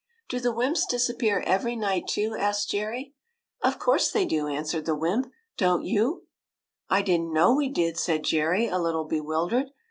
" Do the wymps disappear every night, too ?" asked Jerry. '^Of course they do," answered the wymp. « Don't you ?"" I did n't know we did," said Jerry, a little bewildered.